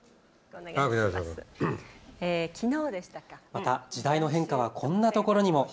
また時代の変化はこんなところにも。